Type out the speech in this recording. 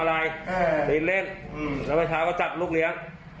แล้วไปเช้าก็จัดลูกเลี้ยง